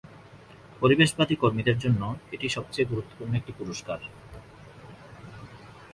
পরিবেশবাদী কর্মীদের জন্য এটি সবচেয়ে গুরুত্বপূর্ণ একটি পুরস্কার।